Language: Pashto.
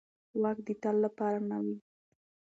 واک د تل لپاره نه وي